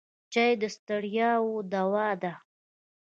چای د ستړیاوو دوا ده.